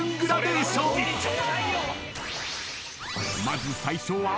［まず最初は］